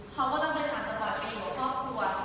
เขาก็ต้องไปถามตลอดทีว่า